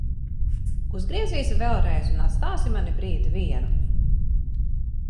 Uzgriezīsi vēlreiz un atstāsi mani brīdi vienu?